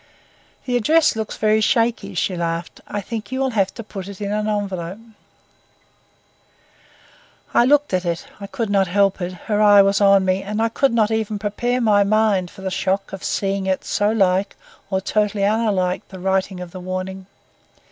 "The address looks very shaky," she laughed. "I think you will have to put it in an envelope." I looked at it,—I could not help it,—her eye was on me, and I could not even prepare my mind for the shock of seeing it like or totally unlike the writing of the warning.